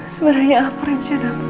sebenarnya apa rencana tuhan